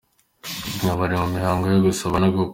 Aha bari mu mihango yo gusaba no gukwa.